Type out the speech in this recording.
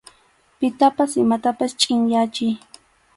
Pitapas imatapas chʼinyachiy.